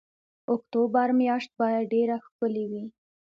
اکتوبر میاشت باید ډېره ښکلې وي.